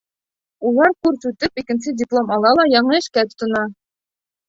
Улар курс үтеп, икенсе диплом ала ла яңы эшкә тотона.